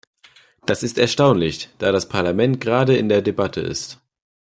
Das ist erstaunlich, da das Parlament gerade in der Debatte ist.